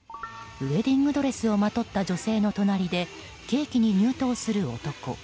ウエディングドレスをまとった女性の隣でケーキに入刀する男。